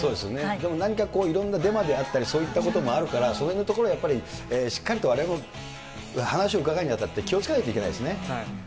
でも何かデマであったり、そういうこともあるから、そのへんのところは、やっぱりしっかりとわれわれも話を伺うにあたって、気をつけないといけないですね。